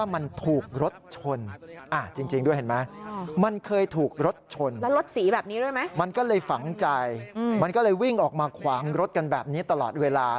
มันก็เลยฝังใจมันก็เลยวิ่งออกมาขวางรถกันแบบนี้ตลอดเวลา